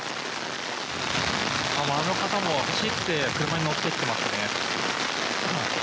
あの方も走って車に乗ってってますね。